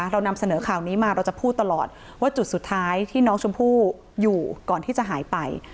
เรานำเสนอข่าวนี้มาเราจะพูดตลอดว่าจุดสุดท้ายที่น้องชมพู่อยู่ก่อนที่จะหายไป